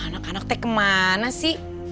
anak anak teh kemana sih